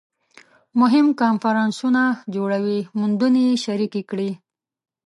مهم کنفرانسونه جوړوي موندنې شریکې کړي